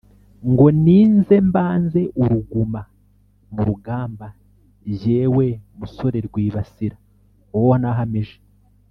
ngo ninze mbanze uruguma mu rugamba jyewe musore rwibasira uwo nahamije